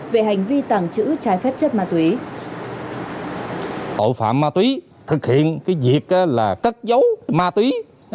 về hành vi tàng trữ trái phép chất ma túy